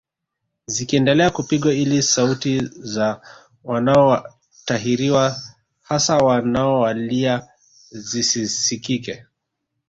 Zikiendelea kupigwa ili sauti za wanaotahiriwa hasa wanaolia zisisikike